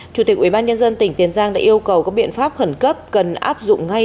chủ tịch ubnd tỉnh tiền giang đã yêu cầu các biện pháp khẩn cấp cần áp dụng ngay